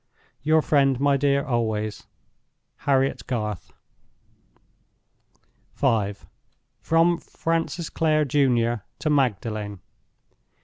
Your friend, my dear, always, "HARRIET GARTH." V. From Francis Clare, Jun., to Magdalen.